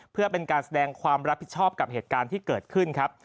เพื่อเป็นการแสดงความรับผิดชอบกับเหตุการณ์ที่เกิดขึ้นครับ